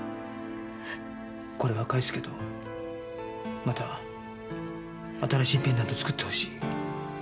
これは返すけどまた新しいペンダント作って欲しい。